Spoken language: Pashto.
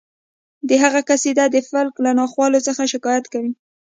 د هغه قصیده د فلک له ناخوالو څخه شکایت کوي